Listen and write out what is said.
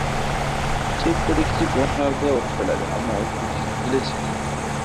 Chet tili kichik guruhlarda o‘qitiladi. Ammo o‘zbek tili-chi?